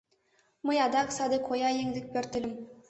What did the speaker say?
Мый адак саде коя еҥ дек пӧртыльым.